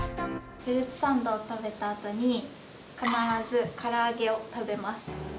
フルーツサンドを食べたあとに、必ずから揚げを食べます。